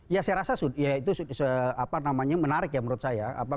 ya saya rasa ya itu menarik ya menurut saya